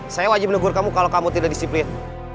saya wajib menegur kamu kalau kamu tidak disiplin